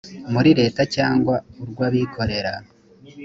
muri leta cyangwa urw abikorera